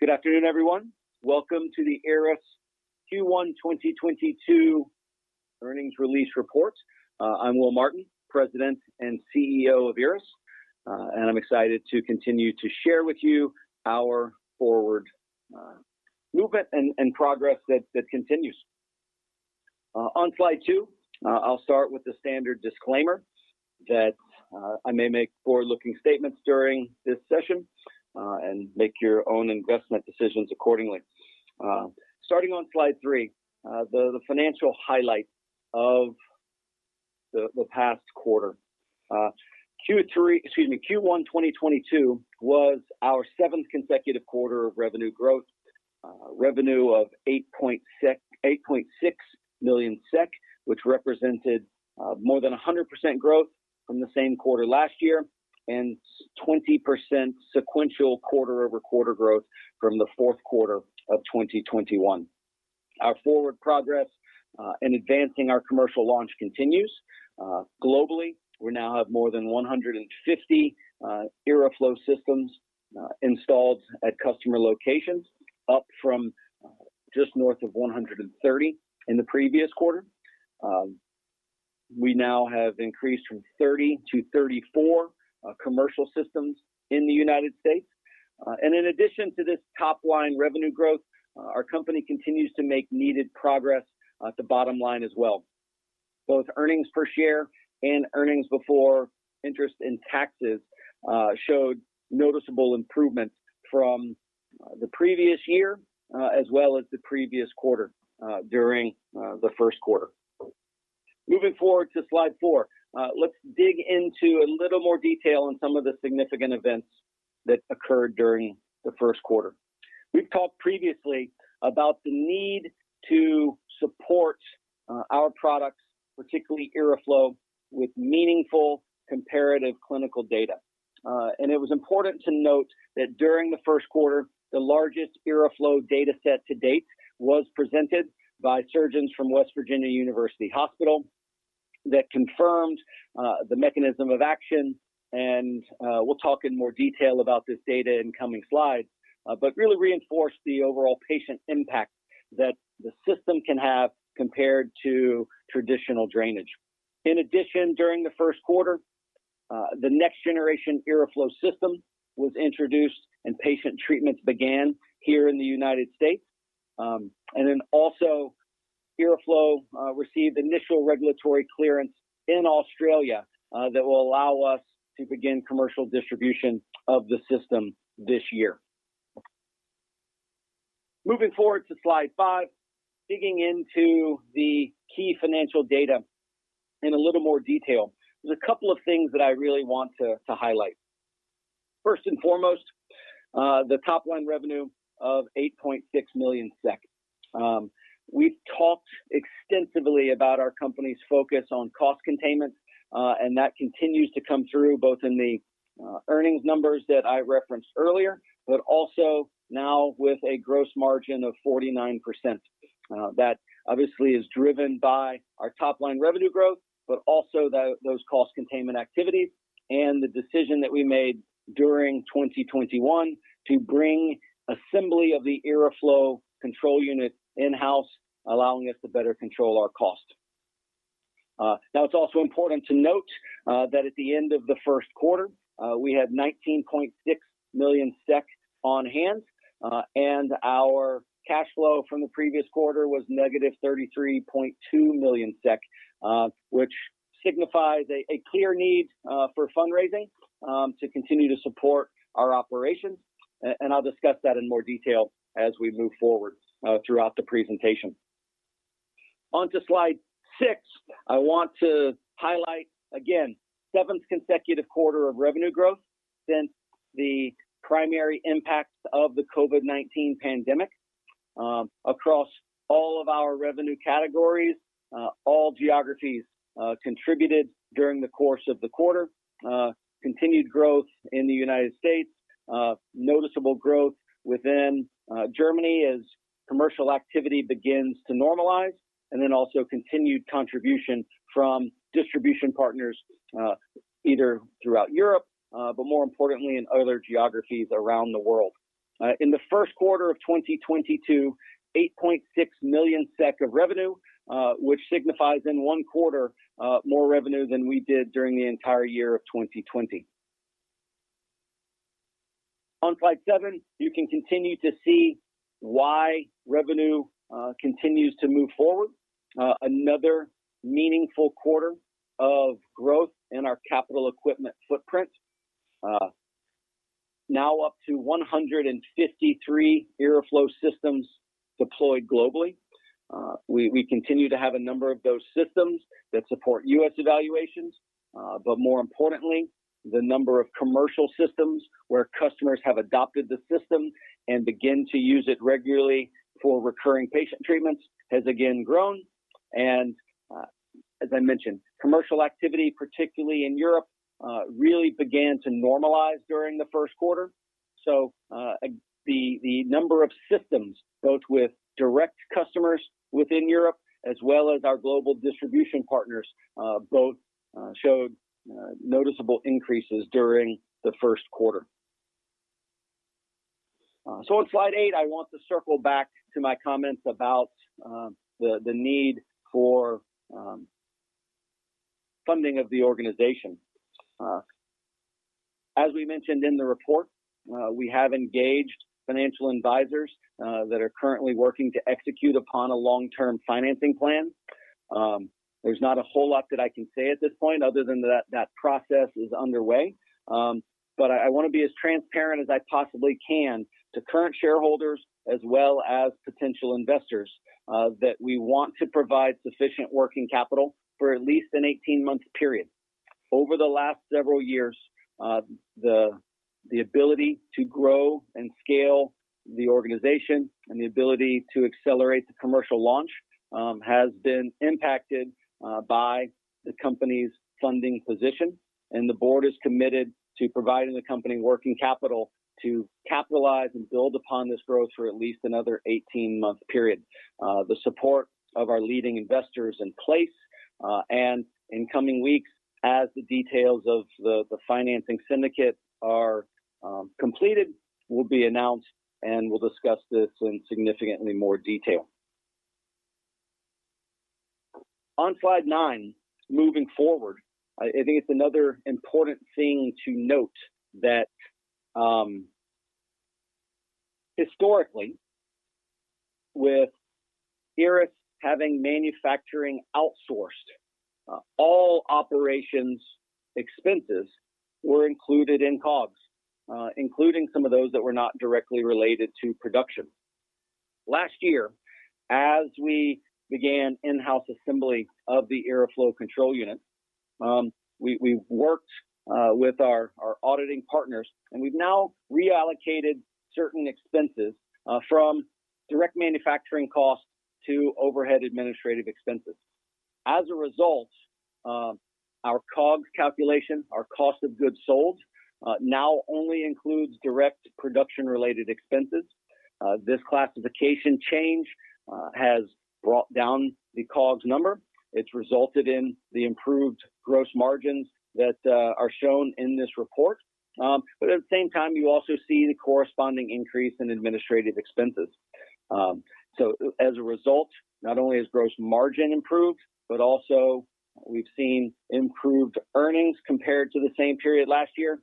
Good afternoon, everyone. Welcome to the IRRAS Q1 2022 Earnings Release Report. I'm Will Martin, President and CEO of IRRAS, and I'm excited to continue to share with you our forward movement and progress that continues. On slide two, I'll start with the standard disclaimer that I may make forward-looking statements during this session, and make your own investment decisions accordingly. Starting on slide three, the financial highlights of the past quarter. Q1 2022 was our seventh consecutive quarter of revenue growth. Revenue of 8.6 million SEK, which represented more than 100% growth from the same quarter last year, and 20% sequential quarter-over-quarter growth from the fourth quarter of 2021. Our forward progress in advancing our commercial launch continues. Globally, we now have more than 150 IRRAflow systems installed at customer locations, up from just north of 130 in the previous quarter. We now have increased from 30 to 34 commercial systems in the United States. In addition to this top-line revenue growth, our company continues to make needed progress at the bottom line as well. Both earnings per share and earnings before interest and taxes showed noticeable improvements from the previous year, as well as the previous quarter, during the first quarter. Moving forward to slide four, let's dig into a little more detail on some of the significant events that occurred during the first quarter. We've talked previously about the need to support our products, particularly IRRAflow, with meaningful comparative clinical data. It was important to note that during the first quarter, the largest IRRAflow data set to date was presented by surgeons from West Virginia University Hospital that confirmed the mechanism of action, and we'll talk in more detail about this data in coming slides, but really reinforced the overall patient impact that the system can have compared to traditional drainage. In addition, during the first quarter, the next generation IRRAflow system was introduced and patient treatments began here in the United States. IRRAflow received initial regulatory clearance in Australia that will allow us to begin commercial distribution of the system this year. Moving forward to slide five, digging into the key financial data in a little more detail. There's a couple of things that I really want to highlight. First and foremost, the top-line revenue of 8.6 million SEK. We've talked extensively about our company's focus on cost containment, and that continues to come through both in the earnings numbers that I referenced earlier, but also now with a gross margin of 49%. That obviously is driven by our top-line revenue growth, but also those cost containment activities and the decision that we made during 2021 to bring assembly of the IRRAflow control unit in-house, allowing us to better control our cost. Now it's also important to note that at the end of the first quarter we had 19.6 million SEK on hand and our cash flow from the previous quarter was -33.2 million SEK which signifies a clear need for fundraising to continue to support our operations. And I'll discuss that in more detail as we move forward throughout the presentation. On to slide six, I want to highlight again seventh consecutive quarter of revenue growth since the primary impacts of the COVID-19 pandemic. Across all of our revenue categories all geographies contributed during the course of the quarter. Continued growth in the United States, noticeable growth within Germany as commercial activity begins to normalize, and then also continued contribution from distribution partners, either throughout Europe, but more importantly in other geographies around the world. In the first quarter of 2022, 8.6 million SEK of revenue, which signifies in one quarter, more revenue than we did during the entire year of 2020. On slide seven, you can continue to see why revenue continues to move forward. Another meaningful quarter of growth in our capital equipment footprint. Now up to 153 IRRAflow systems deployed globally. We continue to have a number of those systems that support U.S. evaluations, but more importantly, the number of commercial systems where customers have adopted the system and begin to use it regularly for recurring patient treatments has again grown. As I mentioned, commercial activity, particularly in Europe, really began to normalize during the first quarter. The number of systems, both with direct customers within Europe as well as our global distribution partners, both showed noticeable increases during the first quarter. On slide eight, I want to circle back to my comments about the need for funding of the organization. As we mentioned in the report, we have engaged financial advisors that are currently working to execute upon a long-term financing plan. There's not a whole lot that I can say at this point other than that process is underway. I want to be as transparent as I possibly can to current shareholders as well as potential investors that we want to provide sufficient working capital for at least an 18-month period. Over the last several years, the ability to grow and scale the organization and the ability to accelerate the commercial launch has been impacted by the company's funding position, and the board is committed to providing the company working capital to capitalize and build upon this growth for at least another 18-month period. The support of our leading investors in place, and in coming weeks, as the details of the financing syndicate are completed, will be announced, and we'll discuss this in significantly more detail. On slide nine, moving forward, I think it's another important thing to note that, historically, with IRRAS having manufacturing outsourced, all operations expenses were included in COGS, including some of those that were not directly related to production. Last year, as we began in-house assembly of the IRRAflow Control Unit, we worked with our auditing partners, and we've now reallocated certain expenses from direct manufacturing costs to overhead administrative expenses. As a result, our COGS calculation, our cost of goods sold, now only includes direct production-related expenses. This classification change has brought down the COGS number. It's resulted in the improved gross margins that are shown in this report. But at the same time, you also see the corresponding increase in administrative expenses. As a result, not only has gross margin improved, but also we've seen improved earnings compared to the same period last year,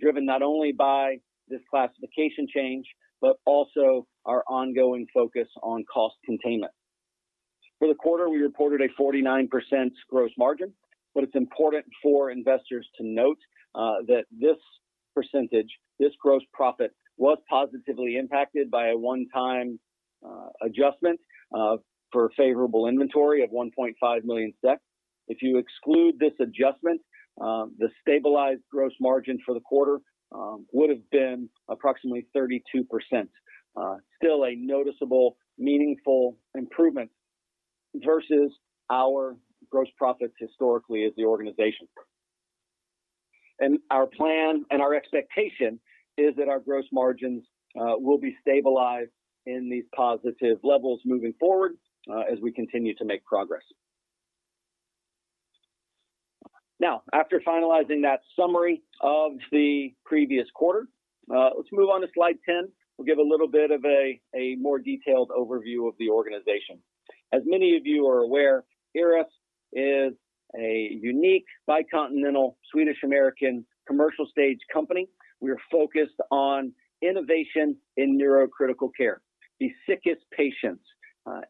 driven not only by this classification change, but also our ongoing focus on cost containment. For the quarter, we reported a 49% gross margin, but it's important for investors to note that this percentage, this gross profit, was positively impacted by a one-time adjustment for favorable inventory of 1.5 million. If you exclude this adjustment, the stabilized gross margin for the quarter would have been approximately 32%. Still a noticeable, meaningful improvement versus our gross profits historically as the organization. Our plan and our expectation is that our gross margins will be stabilized in these positive levels moving forward as we continue to make progress. Now, after finalizing that summary of the previous quarter, let's move on to slide 10. We'll give a little bit of a more detailed overview of the organization. As many of you are aware, IRRAS is a unique bicontinental Swedish-American commercial-stage company. We are focused on innovation in neurocritical care, the sickest patients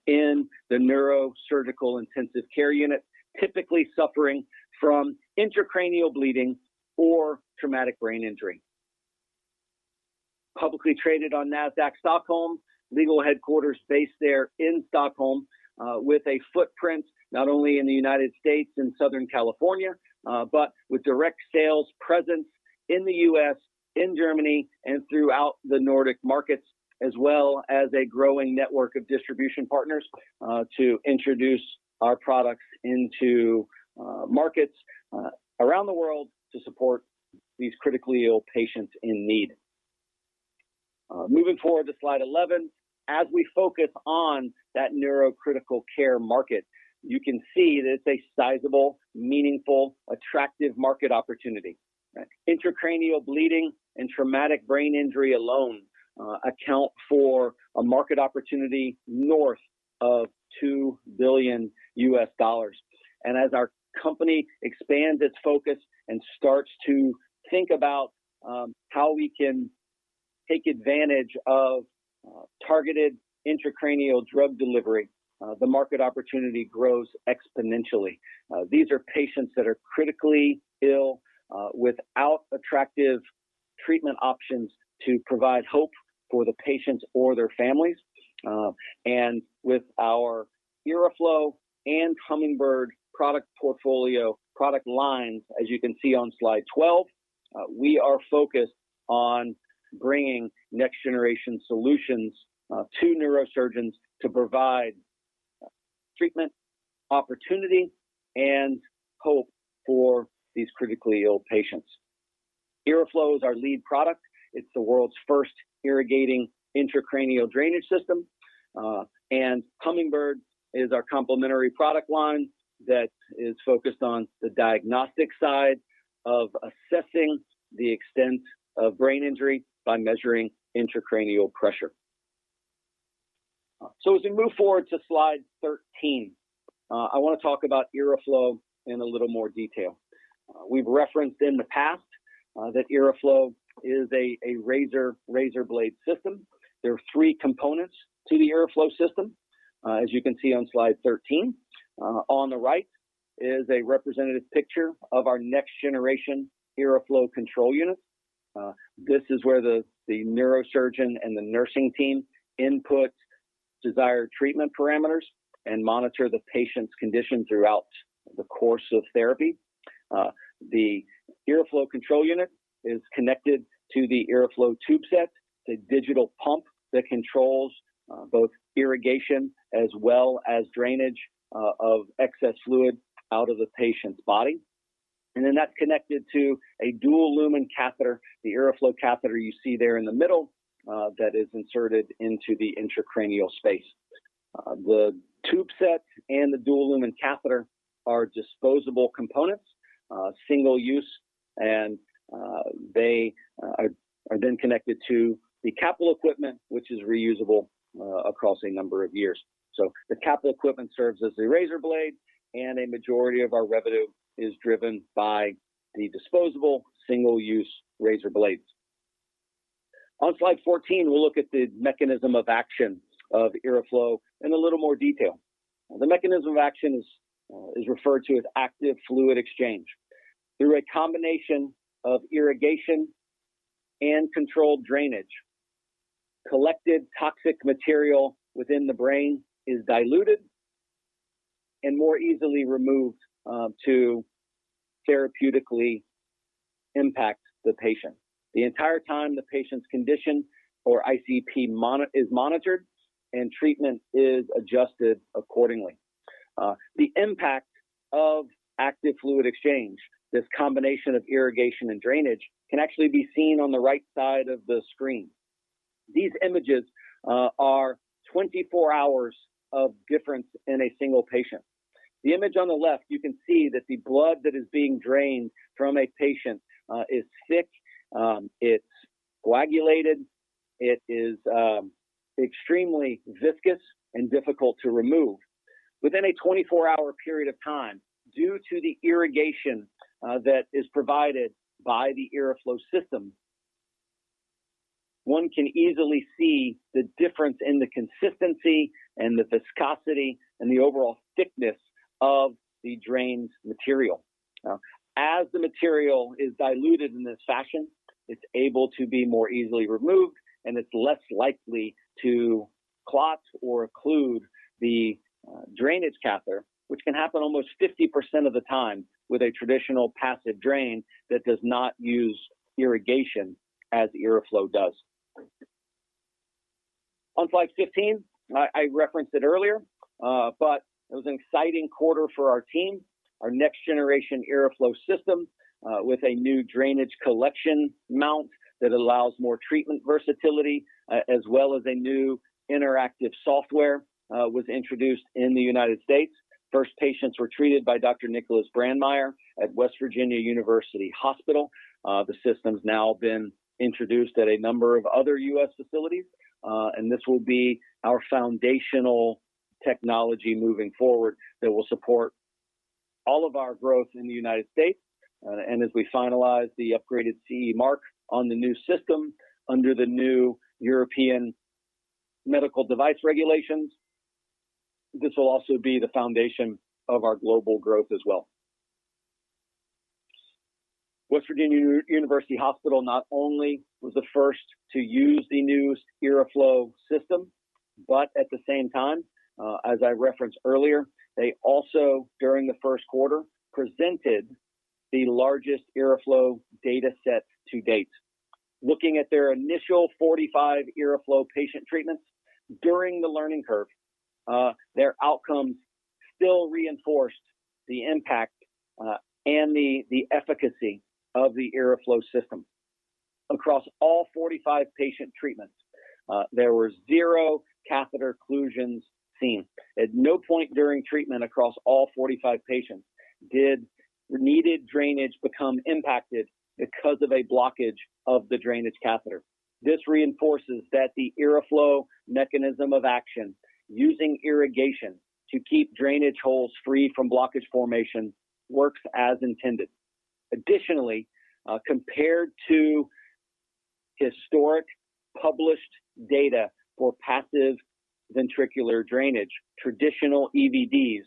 in the neurosurgical intensive care unit, typically suffering from intracranial bleeding or traumatic brain injury. Publicly traded on Nasdaq Stockholm, legal headquarters based there in Stockholm, with a footprint not only in the United States and Southern California, but with direct sales presence in the U.S., in Germany, and throughout the Nordic markets, as well as a growing network of distribution partners to introduce our products into markets around the world to support these critically ill patients in need. Moving forward to slide 11. As we focus on that neurocritical care market, you can see that it's a sizable, meaningful, attractive market opportunity. Intracranial bleeding and traumatic brain injury alone account for a market opportunity north of $2 billion. Our company expands its focus and starts to think about how we can take advantage of targeted intracranial drug delivery, the market opportunity grows exponentially. These are patients that are critically ill without attractive treatment options to provide hope for the patients or their families. With our IRRAflow and Hummingbird product portfolio product lines, as you can see on slide 12, we are focused on bringing next-generation solutions to neurosurgeons to provide treatment opportunity and hope for these critically ill patients. IRRAflow is our lead product. It's the world's first irrigating intracranial drainage system. Hummingbird is our complementary product line that is focused on the diagnostic side of assessing the extent of brain injury by measuring intracranial pressure. As we move forward to slide 13, I want to talk about IRRAflow in a little more detail. We've referenced in the past that IRRAflow is a razor blade system. There are three components to the IRRAflow system, as you can see on slide 13. On the right is a representative picture of our next generation IRRAflow Control Unit. This is where the neurosurgeon and the nursing team input desired treatment parameters and monitor the patient's condition throughout the course of therapy. The IRRAflow Control Unit is connected to the IRRAflow tube set, the digital pump that controls both irrigation as well as drainage of excess fluid out of the patient's body. That's connected to a dual lumen catheter, the IRRAflow catheter you see there in the middle that is inserted into the intracranial space. The tube set and the dual lumen catheter are disposable components, single use, and they are then connected to the capital equipment, which is reusable across a number of years. The capital equipment serves as the razor blade and a majority of our revenue is driven by the disposable single use razor blades. On slide 14, we'll look at the mechanism of action of IRRAflow in a little more detail. The mechanism of action is referred to as active fluid exchange. Through a combination of irrigation and controlled drainage, collected toxic material within the brain is diluted and more easily removed to therapeutically impact the patient. The entire time the patient's condition or ICP is monitored and treatment is adjusted accordingly. The impact of active fluid exchange, this combination of irrigation and drainage, can actually be seen on the right side of the screen. These images are 24 hours of difference in a single patient. The image on the left, you can see that the blood that is being drained from a patient is thick, it's coagulated, it is extremely viscous and difficult to remove. Within a 24-hour period of time, due to the irrigation that is provided by the IRRAflow system, one can easily see the difference in the consistency and the viscosity and the overall thickness of the drained material. As the material is diluted in this fashion, it's able to be more easily removed and it's less likely to clot or occlude the drainage catheter, which can happen almost 50% of the time with a traditional passive drain that does not use irrigation as IRRAflow does. On slide 15, I referenced it earlier, but it was an exciting quarter for our team. Our next generation IRRAflow system with a new drainage collection mount that allows more treatment versatility as well as a new interactive software was introduced in the United States. First patients were treated by Dr. Nicholas Brandmeir at West Virginia University Hospital. The system's now been introduced at a number of other U.S. facilities and this will be our foundational technology moving forward that will support all of our growth in the United States. As we finalize the upgraded CE mark on the new system under the new European medical device regulations, this will also be the foundation of our global growth as well. West Virginia University Hospital not only was the first to use the new IRRAflow system, but at the same time, as I referenced earlier, they also during the first quarter presented the largest IRRAflow data set to date. Looking at their initial 45 IRRAflow patient treatments during the learning curve, their outcomes still reinforced the impact and the efficacy of the IRRAflow system. Across all 45 patient treatments, there were zero catheter occlusions seen. At no point during treatment across all 45 patients did needed drainage become impacted because of a blockage of the drainage catheter. This reinforces that the IRRAflow mechanism of action using irrigation to keep drainage holes free from blockage formation works as intended. Additionally, compared to historic published data for passive ventricular drainage, traditional EVDs,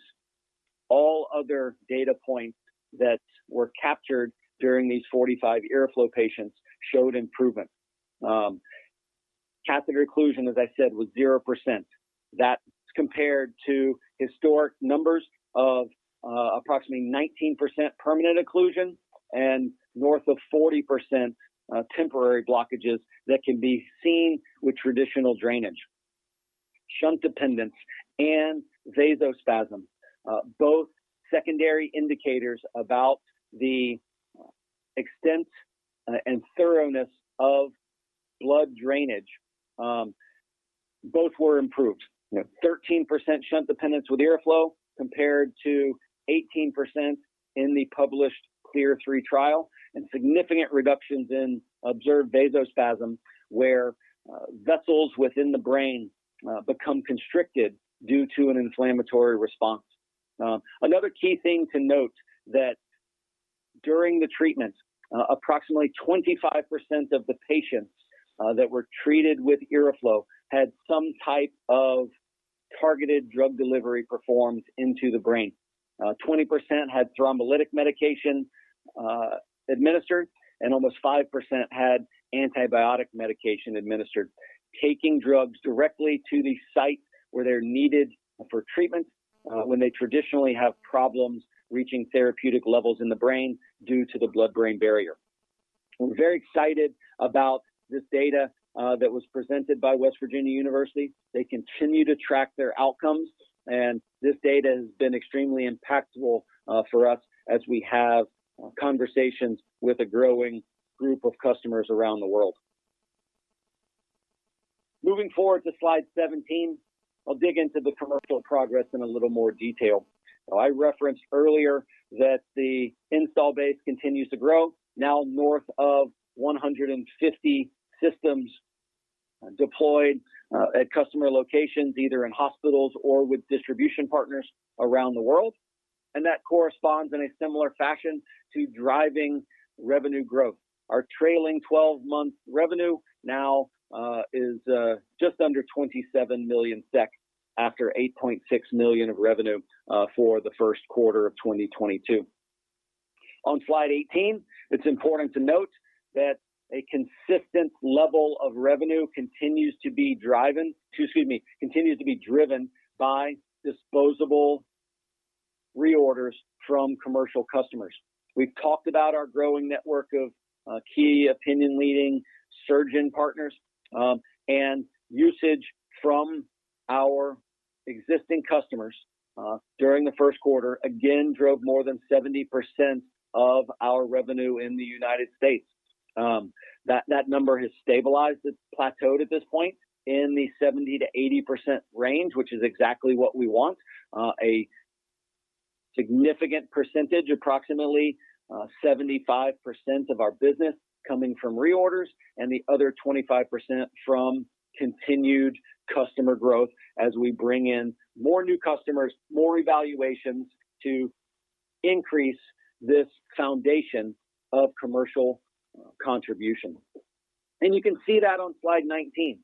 all other data points that were captured during these 45 IRRAflow patients showed improvement. Catheter occlusion, as I said, was 0%. That's compared to historic numbers of approximately 19% permanent occlusion and north of 40% temporary blockages that can be seen with traditional drainage. Shunt dependence and vasospasm, both secondary indicators about the extent and thoroughness of blood drainage, both were improved. You know, 13% shunt dependence with IRRAflow compared to 18% in the published CLEAR III trial and significant reductions in observed vasospasm where vessels within the brain become constricted due to an inflammatory response. Another key thing to note that during the treatment, approximately 25% of the patients that were treated with IRRAflow had some type of targeted drug delivery performed into the brain. 20% had thrombolytic medication administered and almost 5% had antibiotic medication administered, taking drugs directly to the site where they're needed for treatment when they traditionally have problems reaching therapeutic levels in the brain due to the blood-brain barrier. We're very excited about this data that was presented by West Virginia University Hospital. They continue to track their outcomes and this data has been extremely impactful for us as we have conversations with a growing group of customers around the world. Moving forward to slide 17, I'll dig into the commercial progress in a little more detail. I referenced earlier that the installed base continues to grow, now north of 150 systems deployed at customer locations, either in hospitals or with distribution partners around the world. That corresponds in a similar fashion to driving revenue growth. Our trailing 12-month revenue now is just under 27 million SEK after 8.6 million of revenue for the first quarter of 2022. On slide 18, it's important to note that a consistent level of revenue continues to be driven by disposable reorders from commercial customers. We've talked about our growing network of key opinion leader surgeon partners and usage from our existing customers during the first quarter again drove more than 70% of our revenue in the United States. That number has stabilized. It's plateaued at this point in the 70%-80% range, which is exactly what we want. A significant percentage, approximately 75% of our business coming from reorders and the other 25% from continued customer growth as we bring in more new customers, more evaluations to increase this foundation of commercial contribution. You can see that on slide 19.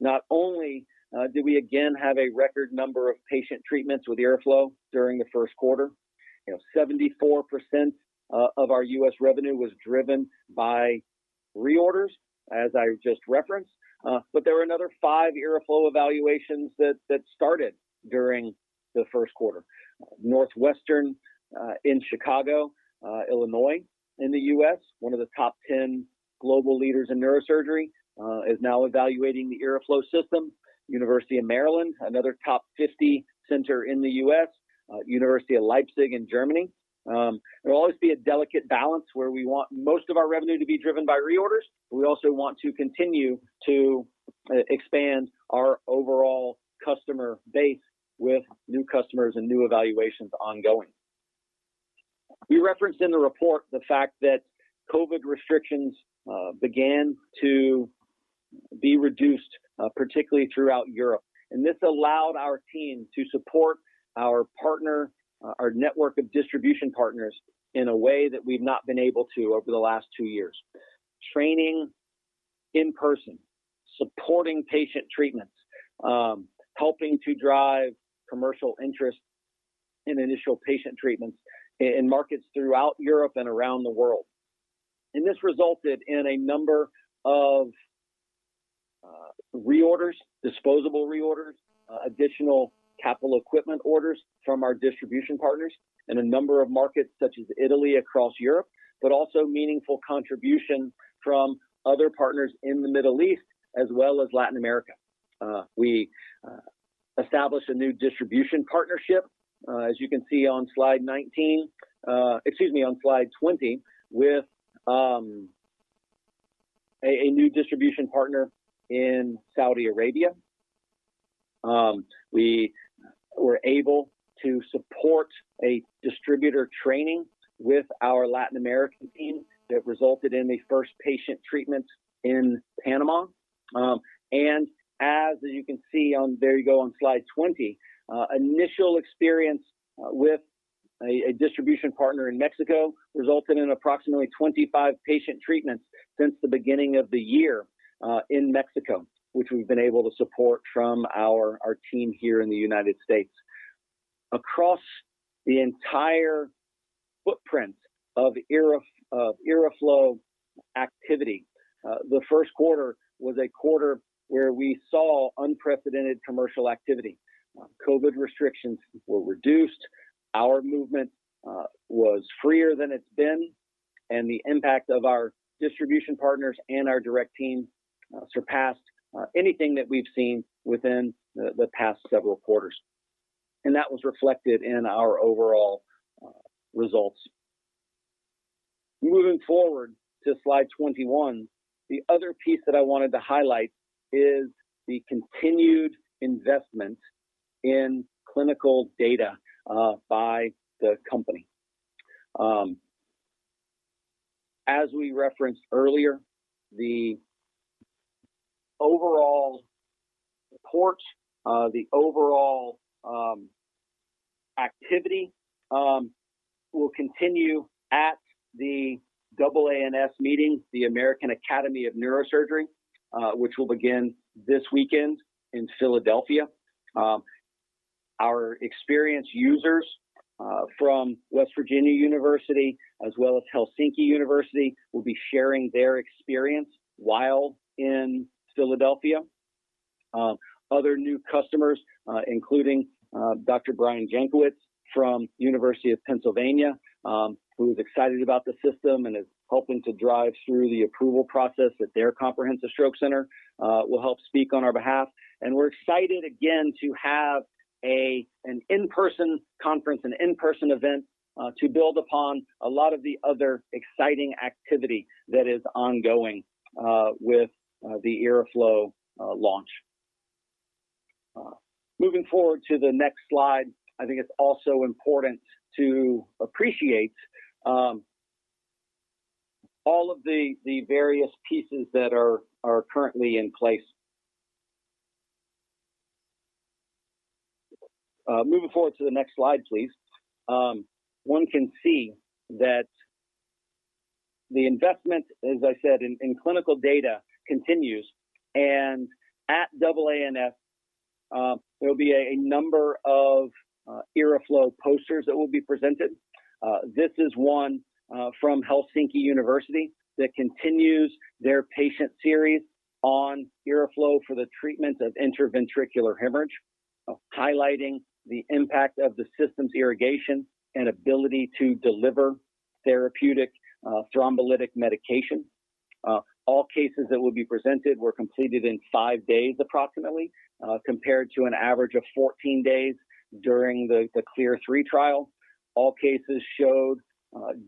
Not only do we again have a record number of patient treatments with IRRAflow during the first quarter, 74% of our U.S. revenue was driven by reorders, as I just referenced. There were another five IRRAflow evaluations that started during the first quarter. Northwestern Memorial Hospital in Chicago, Illinois in the U.S., one of the top 10 global leaders in neurosurgery, is now evaluating the IRRAflow system. University of Maryland Medical Center, another top 50 center in the U.S., University of Leipzig in Germany. There will always be a delicate balance where we want most of our revenue to be driven by reorders. We also want to continue to expand our overall customer base with new customers and new evaluations ongoing. We referenced in the report the fact that COVID-19 restrictions began to be reduced, particularly throughout Europe. This allowed our team to support our partner, our network of distribution partners in a way that we've not been able to over the last two years. Training in person, supporting patient treatments, helping to drive commercial interest in initial patient treatments in markets throughout Europe and around the world. This resulted in a number of reorders, disposable reorders, additional capital equipment orders from our distribution partners in a number of markets such as Italy across Europe, but also meaningful contribution from other partners in the Middle East as well as Latin America. We established a new distribution partnership, as you can see on slide 19, excuse me, on slide 20, with a new distribution partner in Saudi Arabia. We were able to support a distributor training with our Latin American team that resulted in the first patient treatment in Panama. As you can see on slide 20, initial experience with a distribution partner in Mexico resulted in approximately 25 patient treatments since the beginning of the year in Mexico, which we've been able to support from our team here in the United States. Across the entire footprint of IRRAflow activity, the first quarter was a quarter where we saw unprecedented commercial activity. COVID restrictions were reduced. Our movement was freer than it's been. The impact of our distribution partners and our direct team surpassed anything that we've seen within the past several quarters. That was reflected in our overall results. Moving forward to slide 21, the other piece that I wanted to highlight is the continued investment in clinical data by the company. As we referenced earlier, the overall activity will continue at the AANS meeting, the American Association of Neurological Surgeons, which will begin this weekend in Philadelphia. Our experienced users from West Virginia University as well as Helsinki University will be sharing their experience while in Philadelphia. Other new customers, including Dr. Brian Jankowitz from University of Pennsylvania, who is excited about the system and is helping to drive through the approval process at their comprehensive stroke center, will help speak on our behalf. We're excited again to have an in-person conference and in-person event to build upon a lot of the other exciting activity that is ongoing with the IRRAflow launch. Moving forward to the next slide, I think it's also important to appreciate all of the various pieces that are currently in place. Moving forward to the next slide, please. One can see that the investment, as I said, in clinical data continues. At AANS, there will be a number of IRRAflow posters that will be presented. This is one from Helsinki University Hospital that continues their patient series on IRRAflow for the treatment of intraventricular hemorrhage, highlighting the impact of the system's irrigation and ability to deliver therapeutic thrombolytic medication. All cases that will be presented were completed in approximately five days, compared to an average of 14 days during the CLEAR III trial. All cases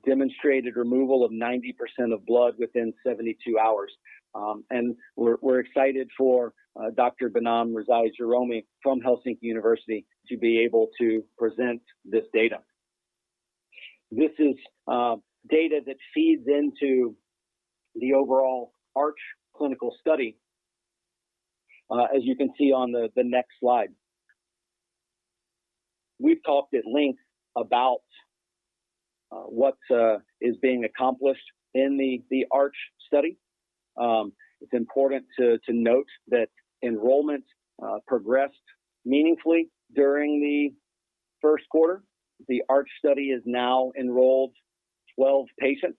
demonstrated removal of 90% of blood within 72 hours. We're excited for Dr. Behnam Rezai Jahromi from Helsinki University Hospital to be able to present this data. This is data that feeds into the overall ARCH clinical study, as you can see on the next slide. We've talked at length about what is being accomplished in the ARCH study. It's important to note that enrollment progressed meaningfully during the first quarter. The ARCH study has now enrolled 12 patients,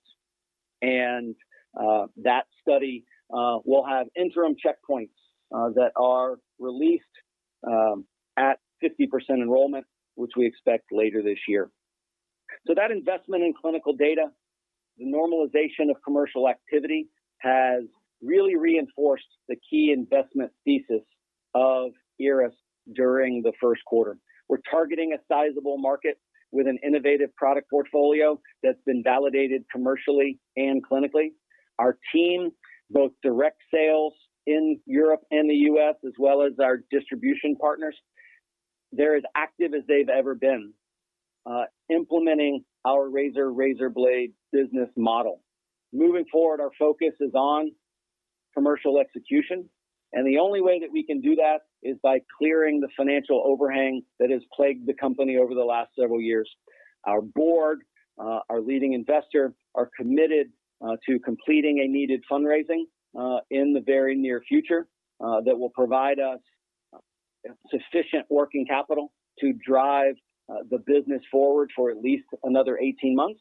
and that study will have interim checkpoints that are released at 50% enrollment, which we expect later this year. That investment in clinical data, the normalization of commercial activity, has really reinforced the key investment thesis of IRRAS during the first quarter. We're targeting a sizable market with an innovative product portfolio that's been validated commercially and clinically. Our team, both direct sales in Europe and the U.S. as well as our distribution partners, they're as active as they've ever been, implementing our razor-blade business model. Moving forward, our focus is on commercial execution, and the only way that we can do that is by clearing the financial overhang that has plagued the company over the last several years. Our board, our leading investor, are committed to completing a needed fundraising in the very near future that will provide us sufficient working capital to drive the business forward for at least another 18 months.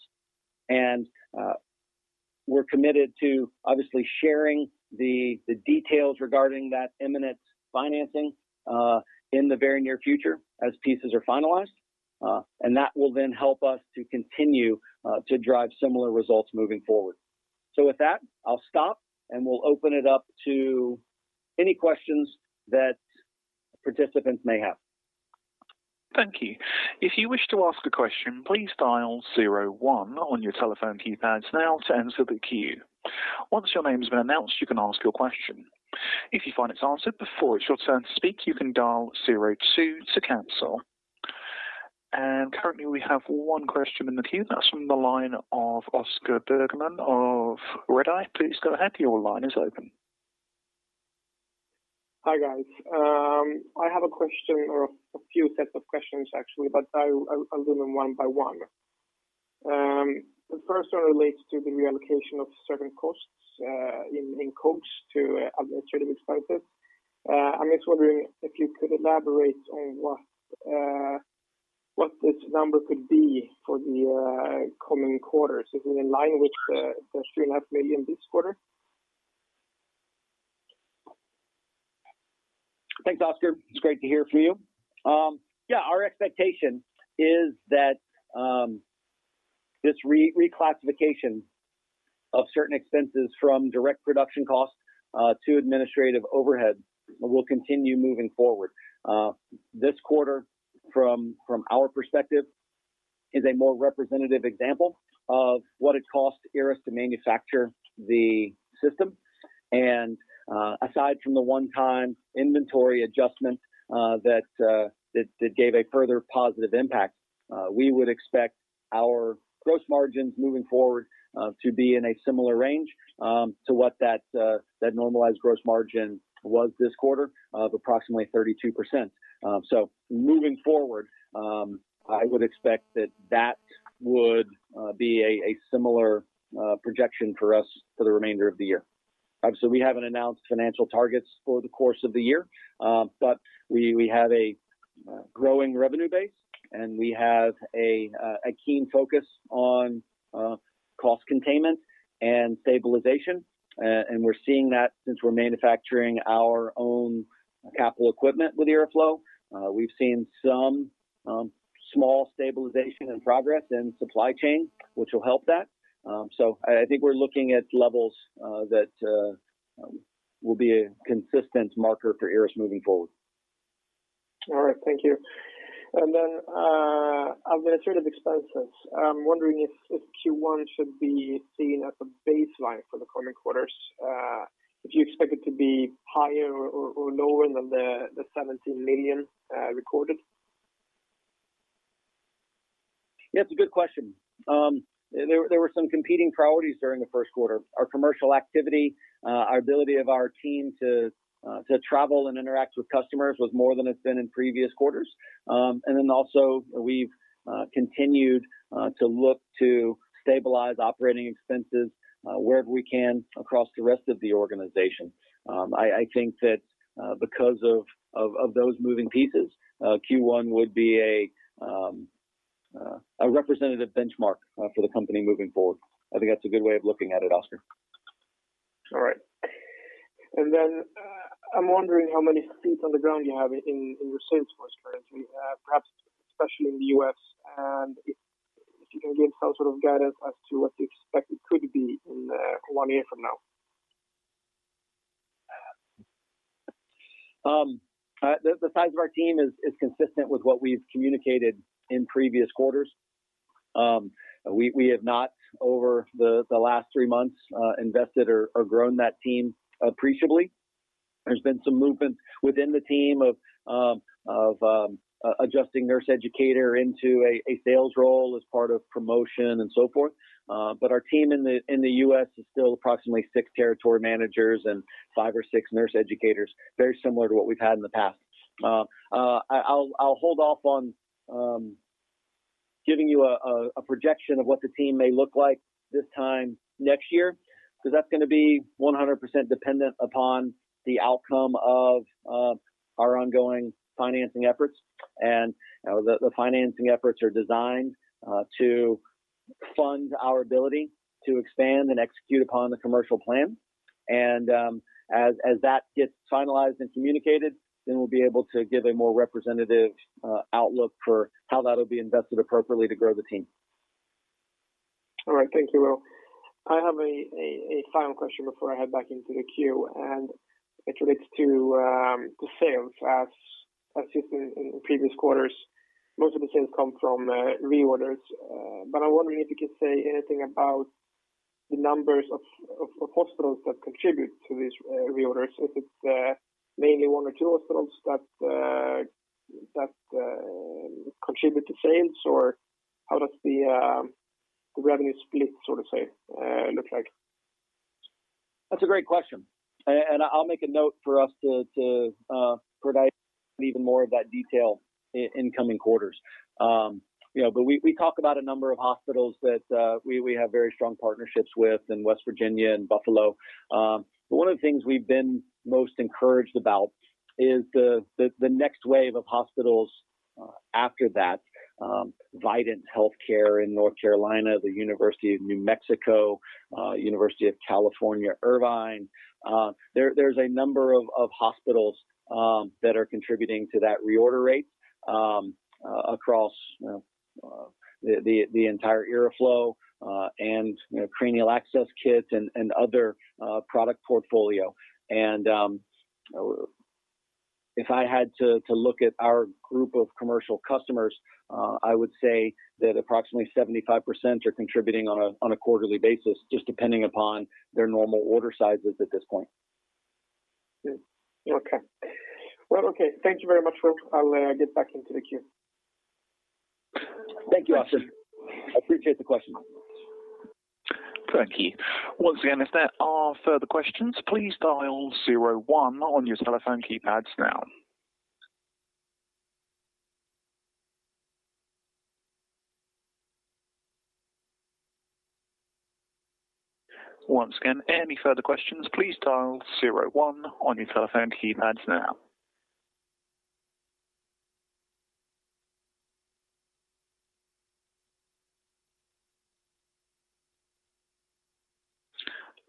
We're committed to obviously sharing the details regarding that imminent financing in the very near future as pieces are finalized. That will then help us to continue to drive similar results moving forward. With that, I'll stop, and we'll open it up to any questions that participants may have. Thank you. If you wish to ask a question, please dial zero one on your telephone keypads now to enter the queue. Once your name has been announced, you can ask your question. If you find it's answered before it's your turn to speak, you can dial zero two to cancel. Currently, we have one question in the queue. That's from the line of Oscar Bergman of Redeye. Please go ahead. Your line is open. Hi, guys. I have a question or a few set of questions actually, but I'll do them one by one. The first one relates to the reallocation of certain costs in COGS to administrative expenses. I'm just wondering if you could elaborate on what this number could be for the coming quarters. Is it in line with the 3.5 million this quarter? Thanks, Oscar. It's great to hear from you. Our expectation is that this reclassification of certain expenses from direct production costs to administrative overhead will continue moving forward. This quarter from our perspective is a more representative example of what it costs IRRAS to manufacture the system. Aside from the one-time inventory adjustment that gave a further positive impact, we would expect our gross margins moving forward to be in a similar range to what that normalized gross margin was this quarter of approximately 32%. Moving forward, I would expect that would be a similar projection for us for the remainder of the year. We haven't announced financial targets for the course of the year. We have a growing revenue base, and we have a keen focus on cost containment and stabilization. We're seeing that since we're manufacturing our own capital equipment with IRRAflow. We've seen some small stabilization and progress in supply chain, which will help that. I think we're looking at levels that will be a consistent marker for IRRAS moving forward. All right. Thank you. On the administrative expenses, I'm wondering if Q1 should be seen as a baseline for the coming quarters. Do you expect it to be higher or lower than the 17 million recorded? That's a good question. There were some competing priorities during the first quarter. Our commercial activity, our ability of our team to travel and interact with customers was more than it's been in previous quarters. We've continued to look to stabilize operating expenses, wherever we can across the rest of the organization. I think that because of those moving pieces, Q1 would be a representative benchmark for the company moving forward. I think that's a good way of looking at it, Oscar. All right. I'm wondering how many feet on the ground you have in your sales force currently, perhaps especially in the U.S., and if you can give some sort of guidance as to what you expect it could be in one year from now? The size of our team is consistent with what we've communicated in previous quarters. We have not over the last three months invested or grown that team appreciably. There's been some movement within the team of adjusting a nurse educator into a sales role as part of promotion and so forth. Our team in the U.S. is still approximately six territory managers and five or six nurse educators, very similar to what we've had in the past. I'll hold off on giving you a projection of what the team may look like this time next year, because that's gonna be 100% dependent upon the outcome of our ongoing financing efforts. The financing efforts are designed to fund our ability to expand and execute upon the commercial plan. As that gets finalized and communicated, then we'll be able to give a more representative outlook for how that'll be invested appropriately to grow the team. All right. Thank you, Will. I have a final question before I head back into the queue, and it relates to the sales. I think in previous quarters, most of the sales come from reorders. I'm wondering if you could say anything about the numbers of hospitals that contribute to these reorders. If it's mainly one or two hospitals that contribute to sales, or how does the revenue split, so to say, look like? That's a great question. I'll make a note for us to provide even more of that detail in coming quarters. You know, we talk about a number of hospitals that we have very strong partnerships with in West Virginia and Buffalo. One of the things we've been most encouraged about is the next wave of hospitals after that, Vidant Health in North Carolina, the University of New Mexico, University of California, Irvine. There's a number of hospitals that are contributing to that reorder rate across, you know, the entire IRRAflow, and, you know, cranial access kits and other product portfolio. If I had to look at our group of commercial customers, I would say that approximately 75% are contributing on a quarterly basis, just depending upon their normal order sizes at this point. Good. Okay. Well, okay. Thank you very much, Will. I'll get back into the queue. Thank you, Oscar. I appreciate the question. Thank you. Once again, if there are further questions, please dial zero one on your telephone keypads now. Once again, any further questions, please dial zero one on your telephone keypads now.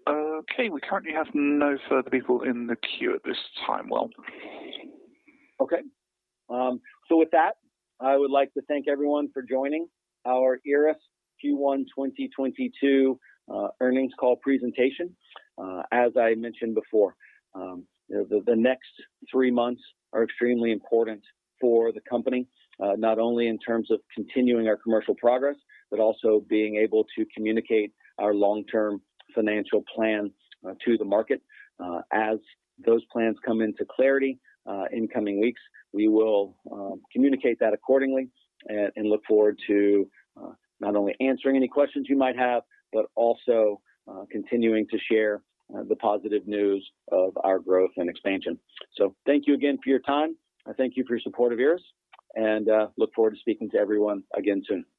Okay. We currently have no further people in the queue at this time, Will. Okay. With that, I would like to thank everyone for joining our IRRAS Q1 2022 earnings call presentation. As I mentioned before, you know, the next three months are extremely important for the company, not only in terms of continuing our commercial progress, but also being able to communicate our long-term financial plans to the market. As those plans come into clarity in coming weeks, we will communicate that accordingly and look forward to not only answering any questions you might have, but also continuing to share the positive news of our growth and expansion. Thank you again for your time. I thank you for your support of IRRAS, and look forward to speaking to everyone again soon.